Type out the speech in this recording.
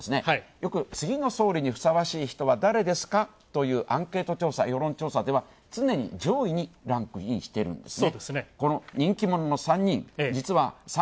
よく、次の総理にふさわしい人は誰ですか？というアンケート調査、世論調査では常に上位にランクインしてるんですね。